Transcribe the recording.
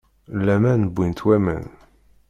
Laman wwin-t waman.